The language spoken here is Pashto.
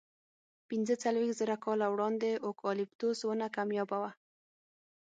پینځهڅلوېښت زره کاله وړاندې اوکالیپتوس ونه کمیابه وه.